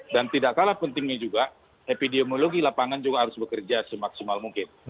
dan tidak kalah pentingnya juga epidemiologi lapangan juga harus bekerja semaksimal mungkin